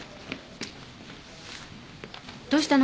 どうしたの？